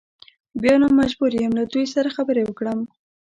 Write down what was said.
بیا نو مجبور یم له دوی سره خبرې وکړم.